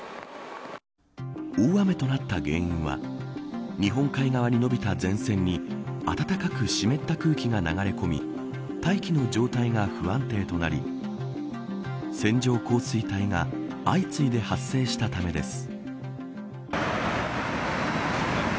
大雨となった原因は日本海側に延びた前線に暖かく湿った空気が流れ込み大気の状態が不安定となり線状降水帯が相次いで発生したためです。